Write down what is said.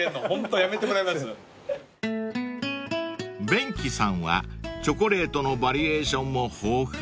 ［ヴェンキさんはチョコレートのバリエーションも豊富］